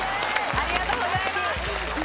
ありがとうございます